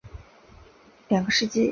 这一局面持续了近两个世纪。